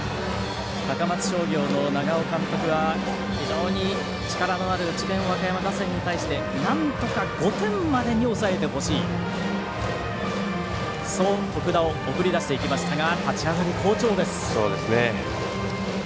高松商業の長尾監督は非常に力のある智弁和歌山打線に対してなんとか５点までに抑えてほしいそう徳田を送り出していきましたが立ち上がり好調です。